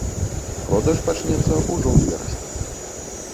Продаж пачнецца ўжо ў верасні.